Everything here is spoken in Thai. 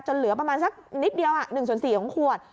เหลือประมาณสักนิดเดียว๑๔ของขวด